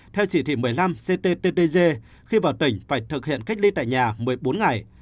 theo chỉ thị một mươi năm cttg khi vào tỉnh phải thực hiện cách ly tại nhà một mươi bốn ngày